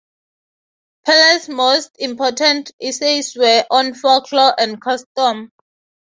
Perles' most important essays were on folklore and custom.